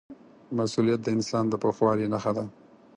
مسؤلیت د انسان د پوخوالي نښه ده.